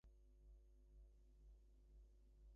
He spent his Fulbright year in Taiwan.